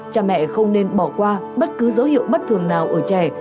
cha mẹ không nên bỏ qua bất cứ dấu hiệu bất thường nào ở trẻ